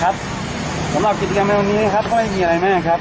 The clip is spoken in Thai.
สำหรับกิจกรรมในวันนี้ครับก็ไม่มีอะไรมากครับ